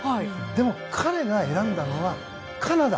でも、彼が選んだのはカナダ。